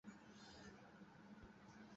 আমিও দেখিয়ে দেব আমি দুর্বল কিনা।